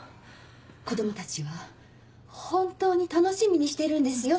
子供たちは本当に楽しみにしてるんですよ。